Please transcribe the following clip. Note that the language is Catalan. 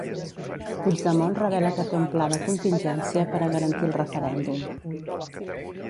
Puigdemont revela que té un pla de contingència per a garantir el referèndum.